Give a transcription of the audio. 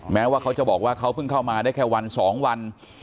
แม้ว่าเขาจะบอกว่าเขาเพิ่งเข้ามาได้แค่วัน๒วัน